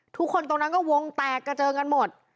ตรงนั้นก็วงแตกกระเจิงกันหมด